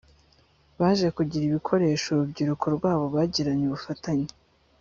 baje kugira ibikoresho urubyiruko rwabo Bagiranye ubufatanye